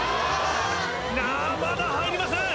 まだ入りません！